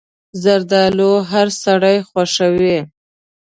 زردالو هر سړی خوښوي.